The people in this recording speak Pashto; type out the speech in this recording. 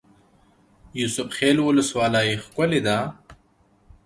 یوسف خیل ولسوالۍ ښکلې ده؟